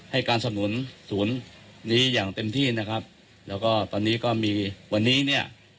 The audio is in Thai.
ให้การสนุนศูนย์นี้อย่างเต็มที่นะครับแล้วก็ตอนนี้ก็มีวันนี้เนี่ย